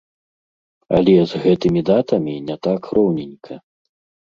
Але з гэтымі датамі не так роўненька.